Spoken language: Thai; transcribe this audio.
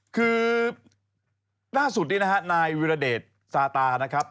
คือล่าสุดนี้นะฮะนายวิรเดชซาตานะครับ